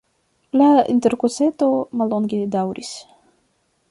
La interkonsento mallonge daŭris.